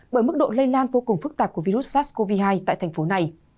bởi mức độ lây lan vô cùng phức tạp của virus sars cov hai tại thành phố này